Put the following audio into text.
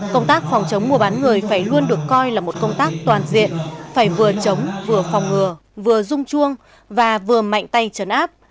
công tác phòng chống mua bán người phải luôn được coi là một công tác toàn diện phải vừa chống vừa phòng ngừa vừa rung chuông và vừa mạnh tay chấn áp